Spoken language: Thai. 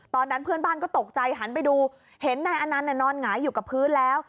ตอนนั้นเพื่อนบ้านก็ตกใจหันไปดูเห็นนายอนันต์นอนหงายอยู่กับพื้นแล้ว